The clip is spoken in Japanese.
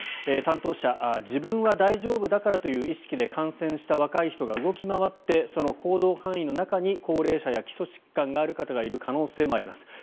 担当者自分は大丈夫だからという意識で感染した若い人が動き回ってその行動範囲の中に高齢者や基礎疾患がある方がいる可能性もあります。